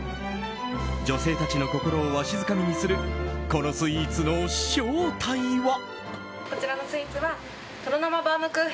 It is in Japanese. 女性たちの心をわしづかみにするこのスイーツの正体は？